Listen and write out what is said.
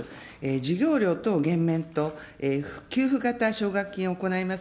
授業料等減免と給付型奨学金を行います